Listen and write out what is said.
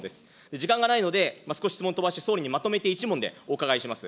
時間がないので、少し質問を飛ばして、総理にまとめて１問でお伺いします。